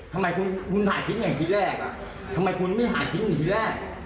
ทำไมคุณถ่ายคลิปอย่างที่แรกทำไมคุณไม่หาชิ้นที่แรก